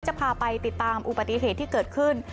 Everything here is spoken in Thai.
จะพาไปติดตามอุบัติเหตุที่เกิดขึ้น